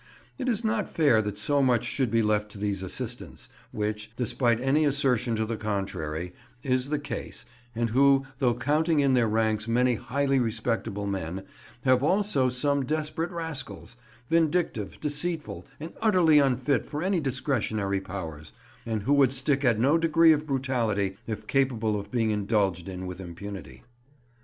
It is not fair that so much should be left to these assistants—which, despite any assertion to the contrary, is the case—and who, though counting in their ranks many highly respectable men, have also some desperate rascals—vindictive, deceitful, and utterly unfit for any discretionary powers, and who would stick at no degree of brutality if capable of being indulged in with impunity.